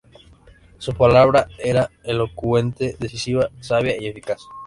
Su palabra era elocuente, decisiva, sabia y eficaz.